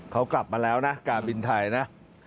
เขากลับมาแล้วนะการบินไทยนะ